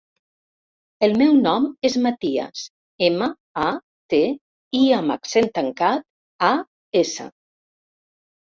El meu nom és Matías: ema, a, te, i amb accent tancat, a, essa.